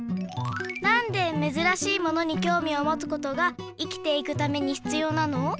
なんでめずらしいものにきょうみをもつことが生きていくためにひつようなの？